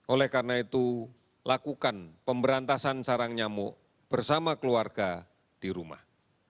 oleh karena itu lakukan pemberantasan sarang nyamuk bersama keluarga di rumah